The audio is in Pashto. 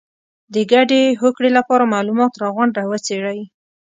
د ګډې هوکړې لپاره معلومات راغونډ او وڅېړئ.